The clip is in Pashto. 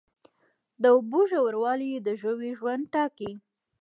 د اوبو ژوروالی د ژویو ژوند ټاکي.